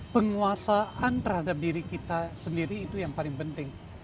penguasaan terhadap diri kita sendiri itu yang paling penting